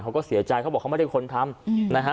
เขาก็เสียใจเขาบอกว่าเขาไม่ได้ค้นทำ